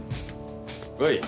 はい。